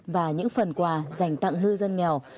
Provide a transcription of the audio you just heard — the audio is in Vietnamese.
và những phần quà dành tặng hư dân nghèo